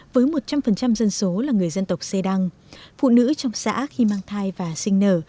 với một trăm linh dân số là người dân tộc xê đăng phụ nữ trong xã khi mang thai và sinh nở